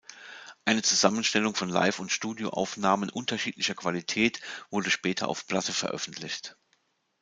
Eine Zusammenstellung von Live- und Studioaufnahmen unterschiedlicher Qualität wurde später auf Platte veröffentlicht.